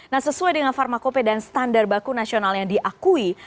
nah sesuai dengan pharmacope dan standar baku nasional yang diakui